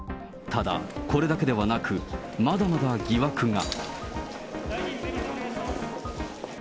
ただ、これだけではなく、まだまだ疑惑が。